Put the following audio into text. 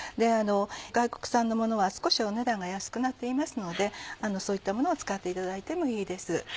外国産のものは少しお値段が安くなっていますのでそういったものを使っていただいてもいいです。